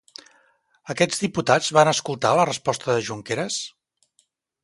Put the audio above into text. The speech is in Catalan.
Aquests diputats van escoltar la resposta de Junqueras?